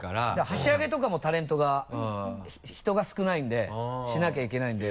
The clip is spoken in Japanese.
箸上げとかもタレントが人が少ないんでしなきゃいけないんで。